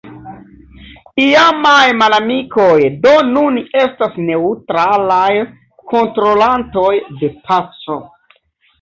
Iamaj malamikoj do nun estas neŭtralaj kontrolantoj de paco.